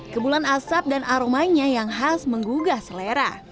kebulan asap dan aromanya yang khas menggugah selera